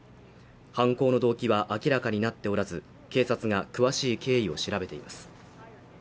犯行の動機は明らかになっておらず警察が詳しい経緯を調べています